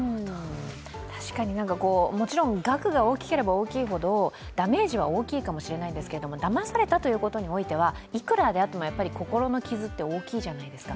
確かに、もちろん額が大きければ大きいほどダメージは大きいかもしれないですけどだまされたということにおいては、いくらであっても心の傷って大きいじゃないですか。